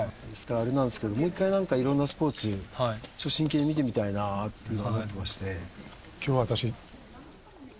もう一回いろんなスポーツ真剣に見てみたいなって思ってまして。